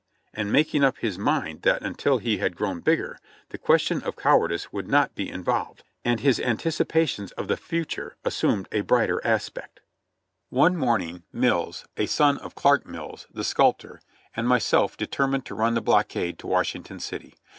And making up his mind that until he had grown bigger, the question of cowardice would not be involved ; and his anticipa tions of the future assumed a brighter aspect. 3 34 JOHNNY REB AND BILLY YANK One morning Mills, a son of Clark Mills, the sculptor, and my self determined to run the blockade to Washington City.